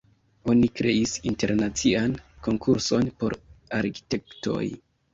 Oni kreis internacian konkurson por arkitektoj.